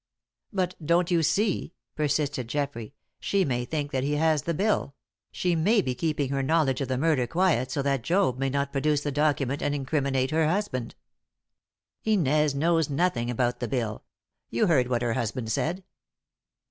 "But, don't you see," persisted Geoffrey, "she may think that he has the bill she may be keeping her knowledge of the murder quiet so that Job may not produce the document and incriminate her husband." "Inez knows nothing about the bill. You heard what her husband said!"